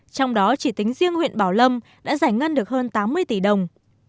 trong đó chỉ tính riêng huyện bảo lâm đã giải ngân được hơn tám mươi tỷ đồng